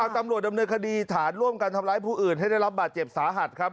ตำรวจดำเนินคดีฐานร่วมกันทำร้ายผู้อื่นให้ได้รับบาดเจ็บสาหัสครับ